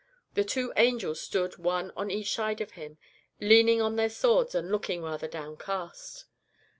The two angels stood one on each side of Him, leaning on their swords and looking rather downcast.